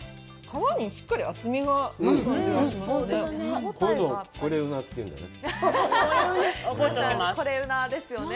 皮にしっかり厚みがある感じがしますね。